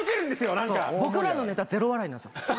僕らのネタゼロ笑いなんですよ。